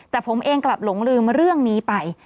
แต่ผมเองกลับหลงลืมเรื่องนี้ไป